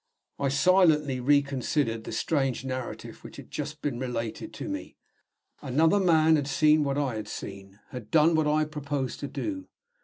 I silently reconsidered the strange narrative which had just been related to me. Another man had seen what I had seen had done what I proposed to do!